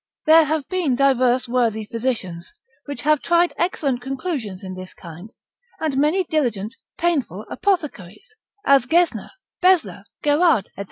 There have been diverse worthy physicians, which have tried excellent conclusions in this kind, and many diligent, painful apothecaries, as Gesner, Besler, Gerard, &c.